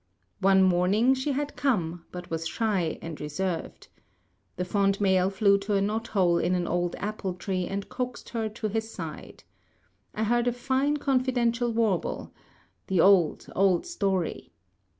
One morning she had come, but was shy and reserved. The fond male flew to a knot hole in an old apple tree and coaxed her to his side. I heard a fine confidential warble the old, old story.